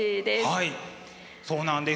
はいそうなんです。